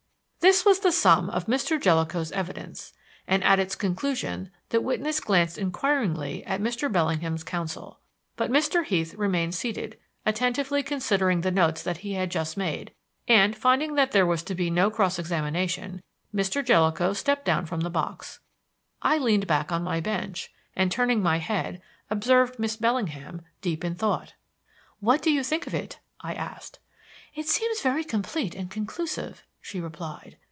This was the sum of Mr. Jellicoe's evidence, and at its conclusion the witness glanced inquiringly at Mr. Bellingham's counsel. But Mr. Heath remained seated, attentively considering the notes that he had just made, and finding that there was to be no cross examination, Mr. Jellicoe stepped down from the box. I leaned back on my bench, and, turning my head, observed Miss Bellingham deep in thought. "What do you think of it?" I asked. "It seems very complete and conclusive," she replied.